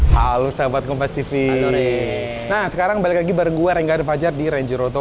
halo sahabat kompas tv nah sekarang balik lagi bareng gue rengga devajar di ranger auto